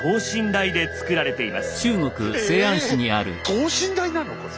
等身大なの⁉これ。